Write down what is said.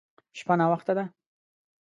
شپه ناوخته ده.